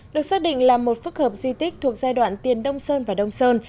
được xác định là một phức hợp di tích thuộc giai đoạn tiền đông sơn và đông sơn